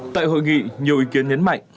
tại hội nghị nhiều ý kiến nhấn mạnh